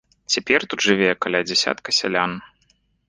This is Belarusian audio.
Цяпер тут жыве каля дзясятка сялян.